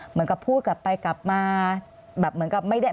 เหมือนกับพูดกลับไปกลับมา